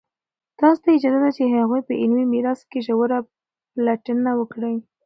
تاسو ته اجازه ده چې د هغوی په علمي میراث کې ژوره پلټنه وکړئ.